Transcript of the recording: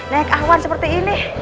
naik awan seperti ini